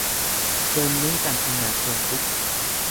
โดยเน้นการทำงานเชิงรุก